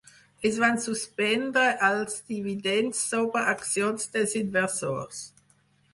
Es van suspendre els dividends sobre accions dels inversors.